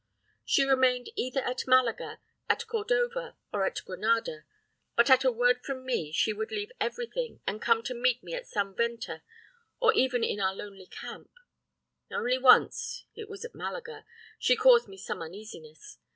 She remained either at Malaga, at Cordova, or at Granada, but at a word from me she would leave everything, and come to meet me at some venta or even in our lonely camp. Only once it was at Malaga she caused me some uneasiness.